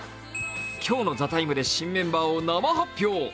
今日の「ＴＨＥＴＩＭＥ，」で新メンバーを生発表。